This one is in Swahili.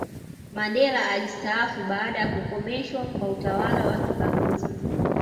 mandela alisitaafu baada ya kukomeshwa kwa utawala wa kibaguzi